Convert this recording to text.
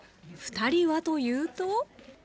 ２人はというと。